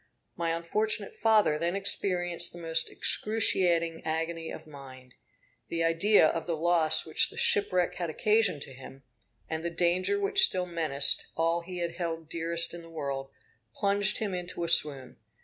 My unfortunate father then experienced the most excruciating agony of mind. The idea of the loss which the shipwreck had occasioned to him, and the danger which still menaced all he held dearest in the world, plunged him into a swoon.